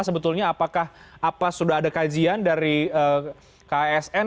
sebetulnya apakah apa sudah ada kajian dari kasn